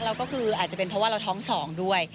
แล้วก็คืออาจจะเป็นเพราะว่าเราท้อง๒ด้วย